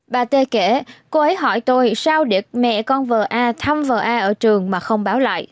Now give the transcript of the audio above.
bà t kể cô ấy hỏi tôi sao địch mẹ con vợ a thăm vợ a ở trường mà không báo lại